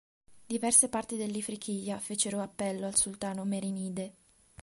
Diverse parti dell'Ifriqiya fecero appello al sultano merinide.